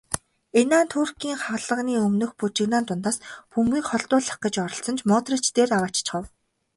Инан Туркийн хаалганы өмнөх бужигнаан дундаас бөмбөгийг холдуулах гэж оролдсон ч Модрич дээр авааччихав.